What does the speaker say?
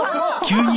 急に。